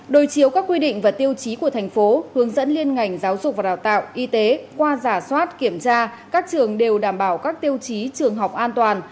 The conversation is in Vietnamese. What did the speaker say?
đối chiếu các quy định và tiêu chí của thành phố hướng dẫn liên ngành giáo dục và đào tạo y tế qua giả soát kiểm tra các trường đều đảm bảo các tiêu chí trường học an toàn